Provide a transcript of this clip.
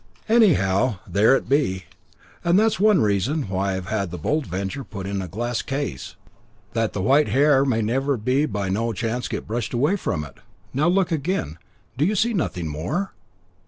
Anyhow, there it be, and that's one reason why I've had the Bold Venture put in a glass case that the white hair may never by no chance get brushed away from it. Now, look again. Do you see nothing more?"